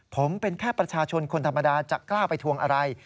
ผมเป็นแค่ประชาชนคนธรรมดาจะกล้าไปทวงอะไร